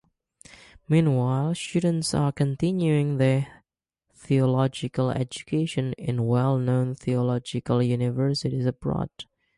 Meanwhile, students are continuing their theological educations in well-known theological universities abroad.